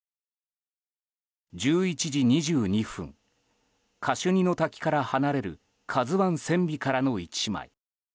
１１時２２分カシュニの滝から離れる「ＫＡＺＵ１」船尾からの１枚。